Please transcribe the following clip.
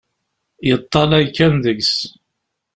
Yeṭṭalay kan deg-s.